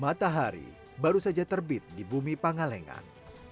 matahari baru saja terbit di bumi pangalengan